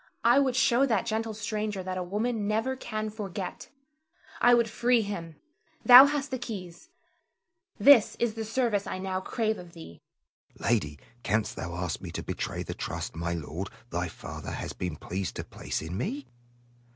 I would show that gentle stranger that a woman never can forget. I would free him. Thou hast the keys. This is the service I now crave of thee. Selim. Lady, canst thou ask me to betray the trust my lord, thy father, hath been pleased to place in me?